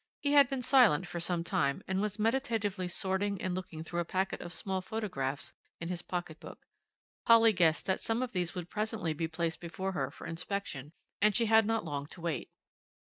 He had been silent for some time, and was meditatively sorting and looking through a packet of small photographs in his pocket book. Polly guessed that some of these would presently be placed before her for inspection and she had not long to wait.